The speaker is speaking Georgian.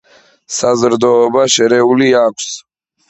საზრდოობა შერეული აქვს.